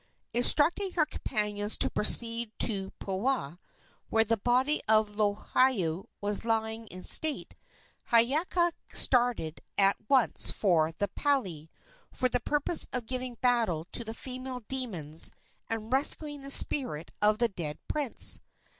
Instructing her companions to proceed to Puoa, where the body of Lohiau was lying in state, Hiiaka started at once for the pali, for the purpose of giving battle to the female demons and rescuing the spirit of the dead prince.